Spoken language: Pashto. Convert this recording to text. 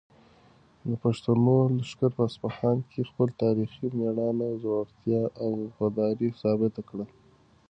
د پښتنو لښکر په اصفهان کې خپله تاریخي مېړانه، زړورتیا او وفاداري ثابته کړه.